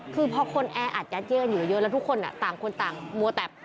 คือเพราะคนแออัดยัดเยอะแล้วทุกคนต่างมัวแตบ